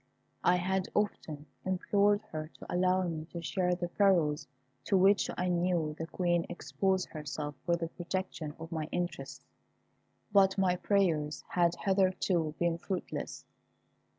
I had often implored her to allow me to share the perils to which I knew the Queen exposed herself for the protection of my interests, but my prayers had hitherto been fruitless.